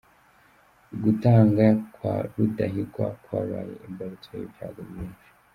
Gutanga kwa Rudahigwa kwabaye imbarutso y’ibyago byinshi.